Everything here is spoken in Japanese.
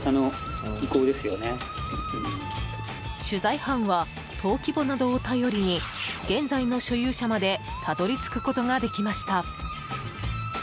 取材班は、登記簿などを頼りに現在の所有者までたどり着くことができました。